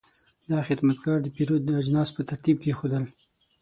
دا خدمتګر د پیرود اجناس په ترتیب کېښودل.